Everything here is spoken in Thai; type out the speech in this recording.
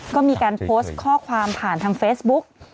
ก็มีการโพสต์ข้อความผ่านทางเฟซบุ๊ก